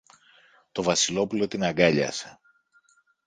Το Βασιλόπουλο την αγκάλιασε.